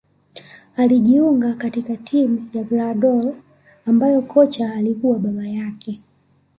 Alijiunga katika timu ya Grahdoli ambayo kocha alikuwa baba yake